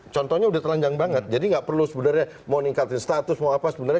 contohnya udah telanjang banget jadi nggak perlu sebenarnya mau ningkatin status mau apa sebenarnya